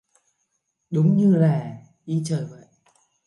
Đúng như là ý trời vậy